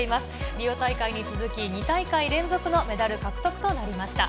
リオ大会に続き、２大会連続のメダル獲得となりました。